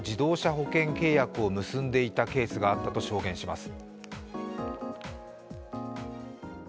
保険契約を結んでいたケースがあったと証言します。